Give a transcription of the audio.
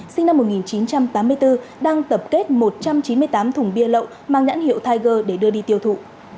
sinh năm một nghìn chín trăm tám mươi bốn đang tập kết một trăm chín mươi tám thùng bia lậu mang nhãn hiệu thaiger để đưa đi tiêu thụ